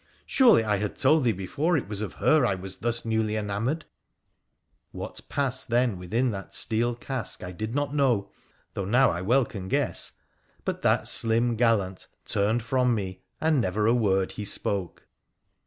Surely I had told thee before it was of her I was thus newly enamoured ?' What passed then within that steel casque I did not know 194 WONDERFUL ADVENTURES OF though now I well can guess, but that slim gallant turned from me, and never a word he spoke.